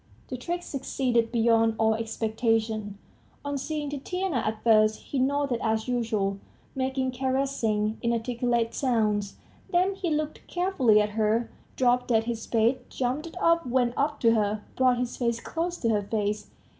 ... The trick succeeded beyond all expectations. On seeing Tatiana, at first, he nodded as usual, making caressing, inarticulate sounds; then he looked carefully at her, dropped his spade, jumped up, went up to her, brought his face close to her face.